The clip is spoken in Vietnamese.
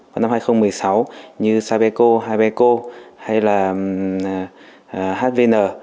vào năm hai nghìn một mươi sáu như sapeco haybeco hay là hvn